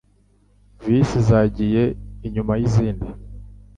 Bisi zagiye inyuma yizindi.